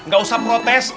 gak usah protes